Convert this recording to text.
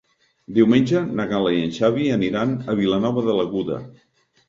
Diumenge na Gal·la i en Xavi aniran a Vilanova de l'Aguda.